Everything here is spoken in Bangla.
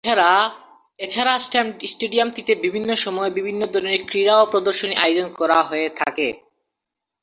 এছাড়াও, স্টেডিয়ামটিতে বিভিন্ন সময়ে বিভিন্ন ধরনের ক্রীড়া ও প্রদর্শনীর আয়োজন করা হয়ে থাকে।